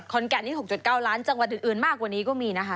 แก่นนี้๖๙ล้านจังหวัดอื่นมากกว่านี้ก็มีนะคะ